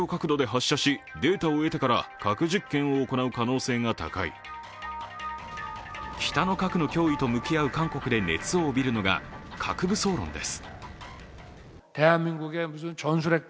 その理由は北の核の脅威と向き合う韓国で熱を帯びるのが核武装論です。